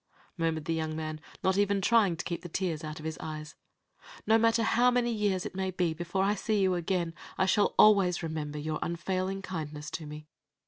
murmured the young man, not even trying to keep the tears out of his eyes. "No matter how many years it may be before I see you again, I shall always remember your unfailing kindness to me.